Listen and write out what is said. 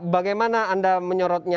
bagaimana anda menyorotnya